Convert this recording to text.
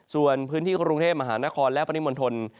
ส่วนพื้นที่กรุงเทพฯมหานครและพนิมนต์ธนตร์